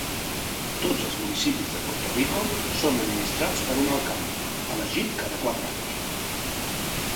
Tots els municipis de Puerto Rico són administrats per un alcalde, elegit cada quatre anys.